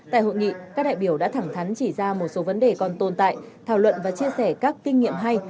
tại hội nghị các đại biểu đã thẳng thắn chỉ ra một số vấn đề còn tồn tại thảo luận và chia sẻ các kinh nghiệm hay